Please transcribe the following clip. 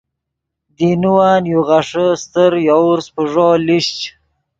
دینوّن یو غیݰے استر یوورس پیݱو لیشچ۔